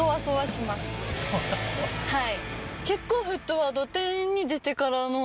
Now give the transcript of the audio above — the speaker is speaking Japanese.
はい。